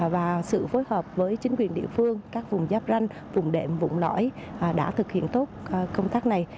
và sự phối hợp với chính quyền địa phương các vùng giáp ranh vùng đệm vùng lõi đã thực hiện tốt công tác này